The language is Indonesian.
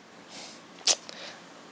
kau mau ke rumah